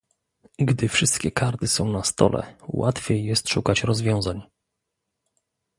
Gdy wszystkie karty są na stole, łatwiej jest szukać rozwiązań